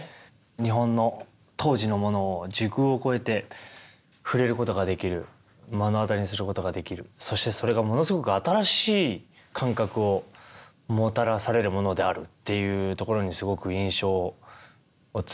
日本の当時のものを時空を超えて触れることができる目の当たりにすることができるそしてそれがものすごく新しい感覚をもたらされるものであるっていうところにすごく印象を強く受けた記憶があります。